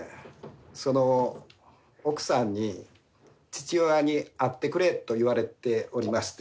その奥さんに父親に会ってくれと言われておりまして。